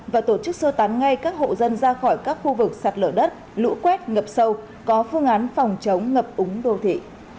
và tổ chức sơ tán ngay các hộ dân ra khỏi các khu vực sạt lở đất lũ quét ngập sâu có phương án phòng chống ngập úng đô thị